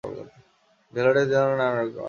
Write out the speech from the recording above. ঢেলা যে নানা রকমের আছে।